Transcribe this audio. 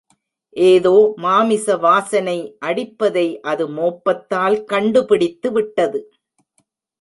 ஏதோ மாமிச வாசனை அடிப்பதை அது மோப்பத்தால் கண்டுபிடித்துவிட்டது.